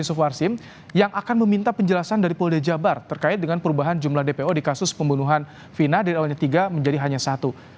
yusuf warsim yang akan meminta penjelasan dari polda jabar terkait dengan perubahan jumlah dpo di kasus pembunuhan vina dan oleh tiga menjadi hanya satu